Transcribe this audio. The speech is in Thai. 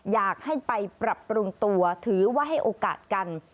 อยากให้ไปปรับปรุงตัวถือว่าให้โอกาสกัน